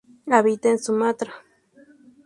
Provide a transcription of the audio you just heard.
Habita en Sumatra.